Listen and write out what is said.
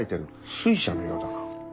水車のようだな。